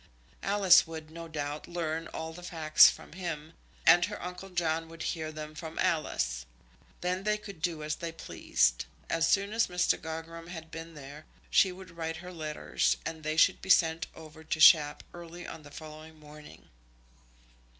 Alice would, no doubt, learn all the facts from him, and her uncle John would hear them from Alice. Then they could do as they pleased. As soon as Mr. Gogram had been there she would write her letters, and they should be sent over to Shap early on the following morning.